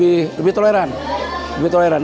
alhamdulillah mereka lebih toleran